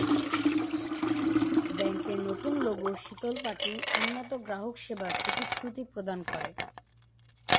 ব্যাংকের নতুন লোগো শীতলপাটি উন্নত গ্রাহক সেবার প্রতিশ্রুতি প্রদান করে।